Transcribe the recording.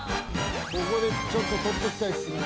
ここでちょっと取っときたいっすね